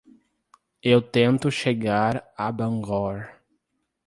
Eu tento chegar a Bangor.